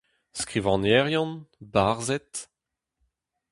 Skrivagnerien, barzhed.